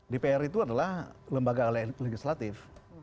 dpr itu adalah lembaga legislatif